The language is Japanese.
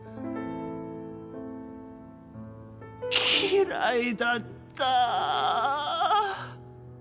嫌いだった。